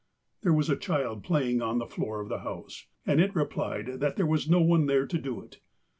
There was a child playing on the floor of the house, and it replied that there was no one there to do it.